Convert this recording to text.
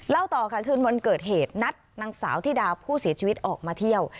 ต่อค่ะคืนวันเกิดเหตุนัดนางสาวธิดาผู้เสียชีวิตออกมาเที่ยว